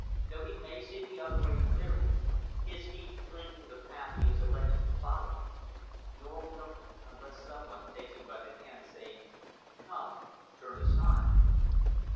Though he may see the other way clearly, his feet cling to the path he has elected to follow; nor will he, unless some one takes him by the hand saying, "Come," turn aside.